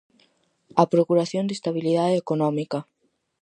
A procuración da estabilidade económica.